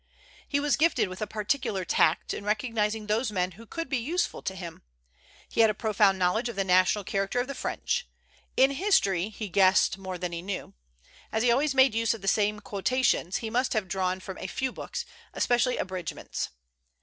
"He was gifted with a particular tact in recognizing those men who could be useful to him. He had a profound knowledge of the national character of the French. In history he guessed more than he knew. As he always made use of the same quotations, he must have drawn from a few books, especially abridgments.